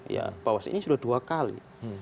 ya bawas ini sudah dua kali